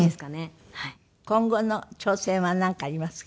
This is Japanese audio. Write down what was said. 今後の挑戦はなんかありますか？